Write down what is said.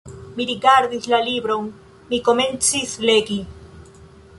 Mi rigardis la libron, mi komencis legi.